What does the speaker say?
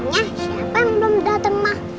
siapa yang belum dateng ma